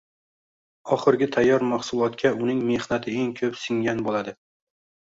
oxirgi tayyor mahsulotga uning mehnati eng ko’p singgan bo’ladi